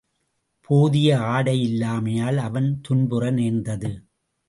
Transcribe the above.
போதிய ஆடையில்லாமையால், அவன் துன்புற நேர்ந்தது.